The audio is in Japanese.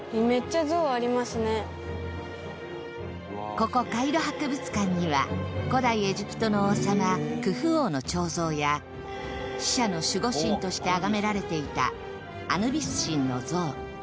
ここカイロ博物館には古代エジプトの王様クフ王の彫像や死者の守護神としてあがめられていたアヌビス神の像